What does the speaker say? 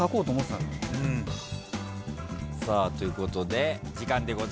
さあということで時間でございます。